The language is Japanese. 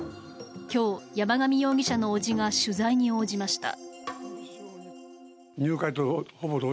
今日、山上容疑者のおじが取材に応じました。